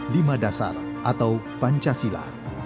lima dasar atau pancasila